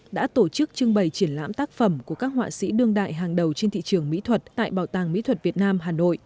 đã tổ chức trưng bày triển lãm tác phẩm của các họa sĩ đương đại hàng đầu trên thị trường mỹ thuật tại bảo tàng mỹ thuật việt nam hà nội